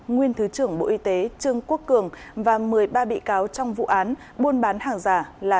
nguyên thứ trưởng bộ y tế trương quốc cường và một mươi ba bị cáo trong vụ án buôn bán hàng giả là